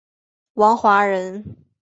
王华人。